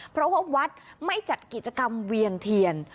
เพราะว่าวัดไม่จัดกิจกรรมเวียนเทียน